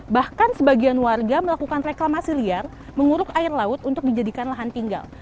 bahkan sebagian warga melakukan reklamasi liar menguruk air laut untuk dijadikan lahan tinggal